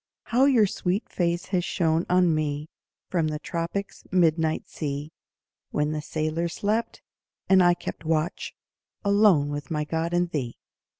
How your sweet face has shone on me From the tropics' midnight sea, When the sailors slept, and I kept watch Alone with my God and thee.